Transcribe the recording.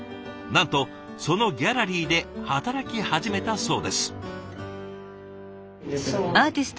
なんとそのギャラリーで働き始めたそうです。